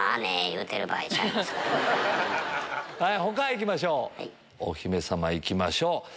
他行きましょうお姫様行きましょう。